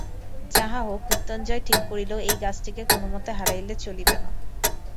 যাহা হউক, মৃত্যুঞ্জয় ঠিক করিল, এই গাছটাকে কোনোমতে হারাইলে চলিবে না।